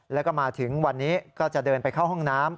แล้วก็มาถึงวันนี้ก็จะเดินไปเข้าห้องน้ำ